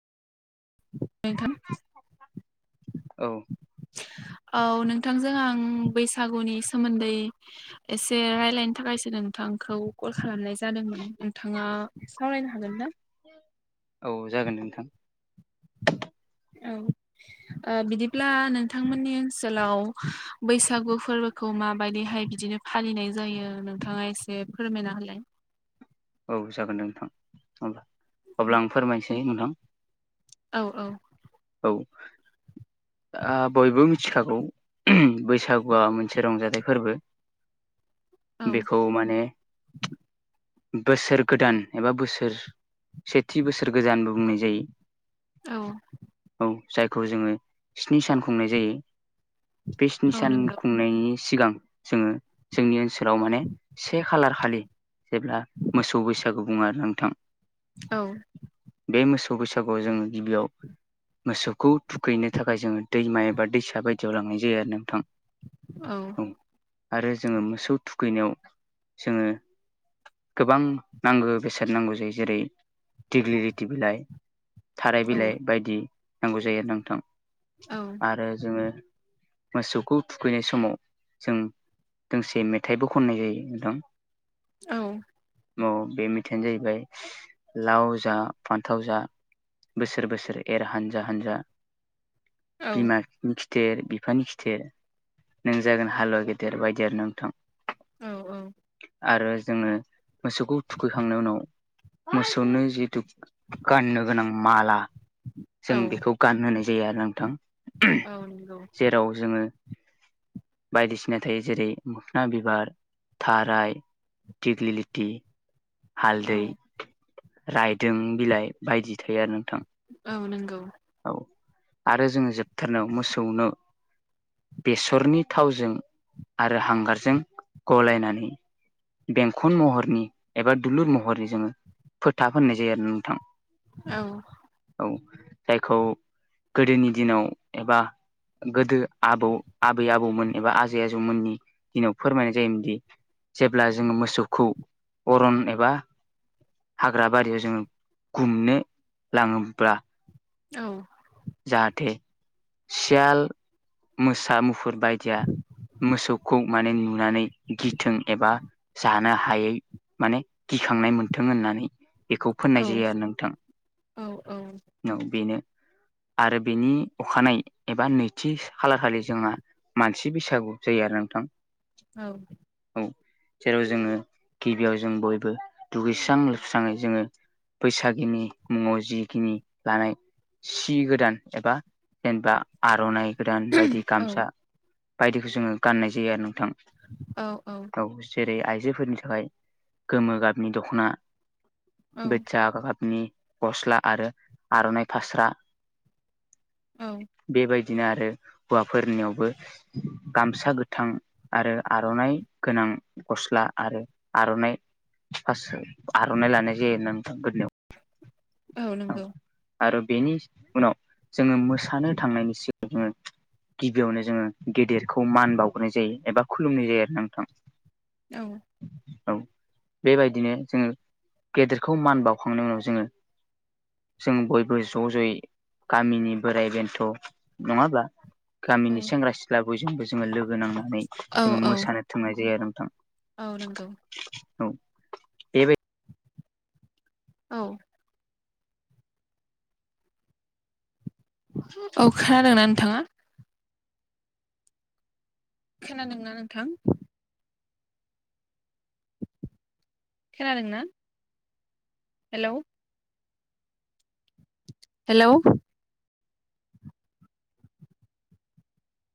[unintelligible] औ औ नोंथांजों आं बैसागुनि सोमोन्दै एसे रायलायनो थाखायसो नोंथां। खौ कल खालामनाय जादोंमोन नोंथाङा सावरायनो हागोन ना? औ जागोन नोंथां। औ ओ बिदिब्ला नोंथांमोननि ओनसोलाव बैसागु फोरबोखौ खौ माबायदिहाय बिदिनो फालिनाय जायो नोंथाङा एसे फोरमायना होलाय। औ जागोन दे नोंथां हबा अब्ला आं फोरमायनोसै नोंथां। औ औ। ओ बयबो मिथिखागौ बैसागुआ मोनसे रंजाथाइ फोरबो। औ बेखौ माने बोसोर गोदान एबा बोसोर सेथि बोसोर गोदानबो बुंनाय जायो। औ। औ जायखौ जोङो स्नि सान खुंनाय जायो बे स्नि औ सान नंगौ खुंनायनि सिगां जोङो जोंनि ओनसोलाव माने से खालार खालि जेब्ला मोसौ बैसागु बुङो आरोना नोंथां औ। बे मोसौ बैसागुआव जों गिबियाव मोसौखौ थुखैनो थाखाय जोङो दैमा एबा दैसा बायदियाव लांनाय जायो आरो नोंथां। औ। आरो जोङो मोसौ थुखैनायाव जोङो गोबां नांगो बेसाद नांगौ जायो जेरै दिग्लिलिटि बिलाइ। थाराय औ बिलाइ बायदि नांगौ जायो आरो नोंथां औ आरो जोङो मोसौखौ थुखैनाय समाव जों दोंसे मेथाइबो खननाय जायो नोंथां औ औ बे मेथाइयानो जाहैबाय लाव जा फान्थाव जा बोसोर बोसोर एर हानजा हानजा बिमा खिथेर बिफानि खिथेर नों जागोन हालुवा गेदेर बायदि आरोना नोंथां औ आरो जोङो मोसौखौ थुखैखांनायनि उनाव मोसौनो जिथु गाननो गोनां माला जों औ बेखौ गानहोनाय जायो आरो नोंथां औ नंगौ जेराव जोङो बायदिसिना थायो जेरै मोखना बिबार थाराय दिग्लिलिटि औ हालदै रायदों बिलाइ बायदि थायो आरो नोंथां औ नोंगौ औ आरो जोङो जोबथारनायाव मोसौनो बेसरनि थावजों आरो हांगारजों गलायनानै बेंखन महरनि एबा दुलुर महरनि जोङो फोथा फोननाय जायो आरोना नोंथां औ औ जायखौ गोदोनि दिनाव एबा गोदो आबौ आबै आबौमोन एबा आजै आजौमोननि दिनाव फोरमायनाय जायोमोनदि जेब्ला जोङो मोसौखौ अरन एबा हाग्रा बारियाव जोङो गुमनो लाङोब्ला औ जाहाथे सियाल मोसा मुफुर बायदिया मोसौखौ माने नुनानै गिथों एबा जानो हायै माने गिखांनाय मोनथों होननानै बेखौ फोननाय औ जायो आरो नोंथां औ औ नौ बेनो [inaudible] आरो बेनि अखानाय एबा नैथि खालारखालि जोंहा मानसि बैसागु जायो आरो थां औ जेराव जोङो गिबियाव जों बयबो दुगैस्रां लोबस्राङै जोङो बैसागिनि मुङाव जिखिनि लानाय सि गोदान एबा जेनबा आर'नाइ गोदान बायदि औ गामसा बायदिखौ जोङो गाननाय जायो आरो नोंथां औ औ जेरै आइजोफोरनि थाखाय गोमो गाबनि दख'ना औ बोथिया गाबनि गस्ला आरो आर'नाइ फास्रा औ बेबाय दिनो आरो हौवाफोरनियावबो गामसा गोथां आरो आर'नाइ गोनां गस्ला आरो आर'नाइ फासो आर'नाइ लानाय जायो आरोना नोंथां गोदनायाव औ नोंगौ आरो बेनि उनाव जोङो मोसानो थांनायनि सिगांनो गिबियावनो जोङो गेदेरखौ मान बावग्रोनाय जायो एबा खुलुमनाय जायो आरोना नोंथां औ औ बेबायदिनो जोङो गेदेरखौ मान बावखांनाय उनाव जोङो जों बयबो ज जयै गामिनि बोराइ बेन्थ नङाब्ला औ गामिनि सेंग्रा सिख्ला बयजोंबो जोङो लोगो नांनानै औ जोङो मोसानो थांनाय जायो आरो नोंथां औ नोंगौ एबाय औ औ खोनादोंना नोंथाङा? खोनादोंंना नोंथां? खोनादों ना? हेलौ। हेलौ।